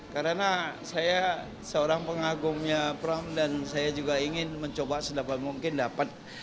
karena saya seorang pengagumnya pram dan saya juga ingin mencoba sedapat mungkin dapat